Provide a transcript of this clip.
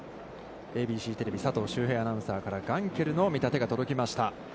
ＡＢＣテレビ佐藤修平アナウンサーからガンケルの見立てが届きました。